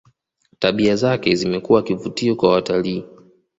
tabia zake zimekuwa kivutio kwa watalii